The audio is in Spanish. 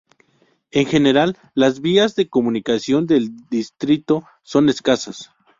En general, las vías de comunicación del distrito son escasas.